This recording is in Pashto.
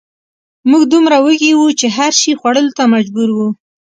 موږ دومره وږي وو چې هر شي خوړلو ته مجبور وو